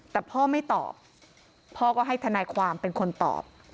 แต่พ่อไม่ตอบพ่อก็ให้ทนายความเป็นคนตอบ